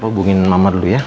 apa bungin mama dulu ya